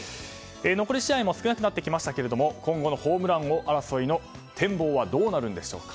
残り試合も少なくなってきましたが今後のホームラン王争いの展望はどうなるんでしょうか。